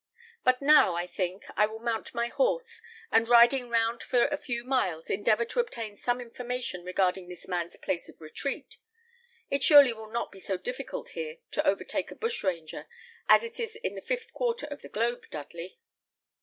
But now, I think, I will mount my horse, and riding round for a few miles, endeavour to obtain some information regarding this man's place of retreat. It surely will not be so difficult here to overtake a bushranger as it is in the fifth quarter of the globe, Dudley?"